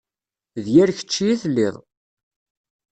D yir kečč i telliḍ.